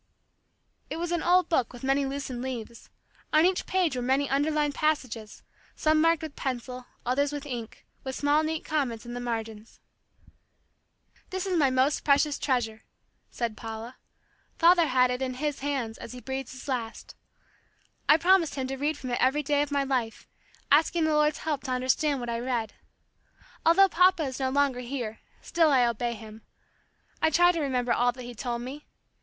It was an old book with many loosened leaves. On each page were many underlined passages, some marked with pencil, others with ink, with small neat comments in the margins. "This is my most precious treasure," said Paula. "Father had it in his hands as he breathed his last. I promised him to read from it every day of my life, asking the Lord's help to understand what I read. Although Papa is no longer here, still I obey him. I try to remember all that he told me.